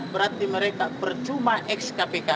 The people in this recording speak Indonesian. berarti mereka percuma ex kpk